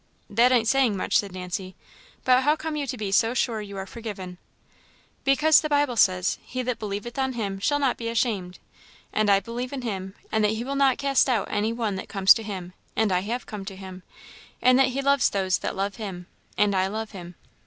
"That ain't saying much," said Nancy "but how come you to be so sure you are forgiven?" "Because the Bible says, 'He that believeth on him shall not be ashamed,' and I believe in him and that he will not cast out any one that comes to him, and I have come to him and that he loves those that love him, and I love him.